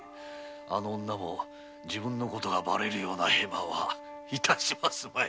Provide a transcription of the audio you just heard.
あの女も自分のことがバレるようなヘマは致しますまい。